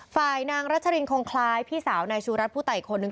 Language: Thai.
ฝ่ายนางรัชรินคงคลายพี่สาวในชูรัฐผู้ไต่คนหนึ่ง